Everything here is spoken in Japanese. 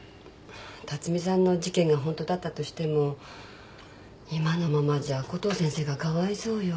巽さんの事件がホントだったとしても今のままじゃコトー先生がかわいそうよ。